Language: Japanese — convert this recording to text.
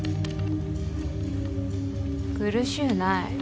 苦しうない。